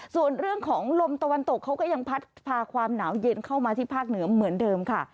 ส่วนเรื่องของลมตะวันตกเขาก็ยังพัดพาความหนาวเย็นเข้ามาที่ภาคเหนือเหมือนเดิมค่ะ